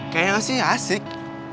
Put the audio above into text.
kayaknya sih asik